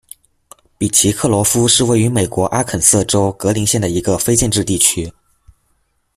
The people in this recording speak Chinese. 比奇格罗夫是位于美国阿肯色州格林县的一个非建制地区。